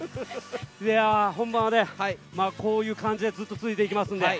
本番はこういう感じでずっと続いていきます。